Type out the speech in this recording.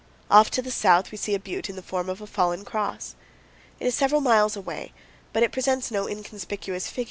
Off to the south we see a butte in the form of a fallen cross. It is several miles away, but it presents no inconspicuous figure on the 205 powell canyons 137.